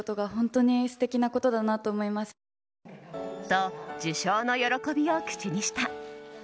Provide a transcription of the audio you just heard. と、受賞の喜びを口にした。